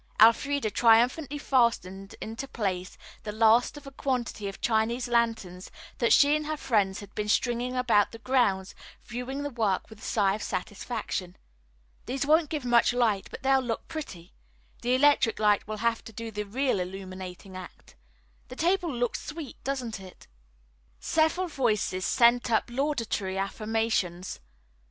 Elfreda triumphantly fastened into place the last of a quantity of Chinese lanterns that she and her friends had been stringing about the grounds, viewing the work with a sigh of satisfaction. "These won't give much light, but they'll look pretty. The electric light will have to do the real illuminating act. The table looks sweet, doesn't it?" Several voices sent up laudatory affirmations.